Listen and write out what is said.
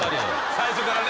最初からね。